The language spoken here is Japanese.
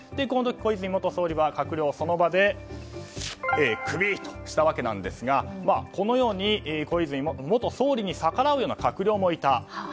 この時、小泉元総理は閣僚をその場でクビにしたわけですがこのように小泉元総理に逆らうような元官僚もいた。